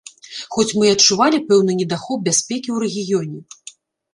Хоць мы і адчувалі пэўны недахоп бяспекі ў рэгіёне.